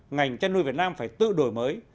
ngành chăn nuôi việt nam phải tự đổi mới